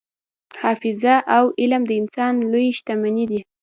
حافظه او علم د انسان لویې شتمنۍ دي.